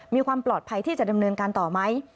มีความปลอดภัยที่จะดำเนินการต่อไหม